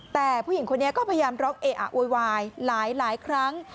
แต่ผู้หญิงคนนี้ก็พยายามร้องเออะโวยวายหลายครั้ง